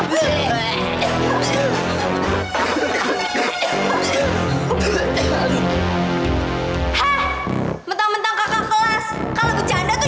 hah mentang mentang kakak kelas kalau berjanda tuh jangan